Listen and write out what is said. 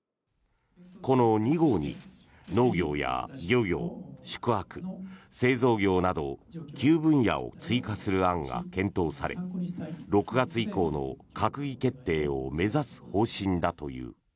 この２号に農業や漁業、宿泊、製造業など９分野を追加する案が検討され６月以降の閣議決定を目指す方針だという。